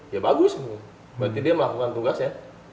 ya bagus berarti dia melakukan tugasnya